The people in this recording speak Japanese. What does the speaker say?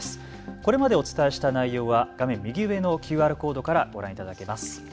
これまでお伝えした内容は画面右上のＱＲコードからご覧いただけます。